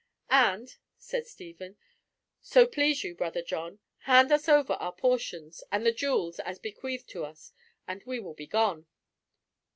"And," said Stephen, "so please you, brother John, hand us over our portions, and the jewels as bequeathed to us, and we will be gone."